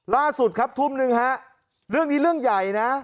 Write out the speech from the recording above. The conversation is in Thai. ล่าสุดครับทุ่มหนึ่งฮะเรื่องนี้เรื่องใหญ่นะ